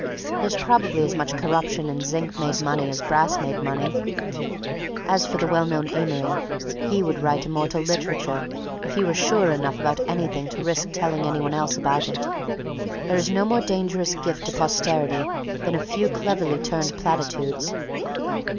There's probably as much corruption in zinc made money as brass made money. As for the well known Amory, he would write immortal literature if he were sure enough about anything to risk telling any one else about it. There is no more dangerous gift to posterity than a few cleverly turned platitudes.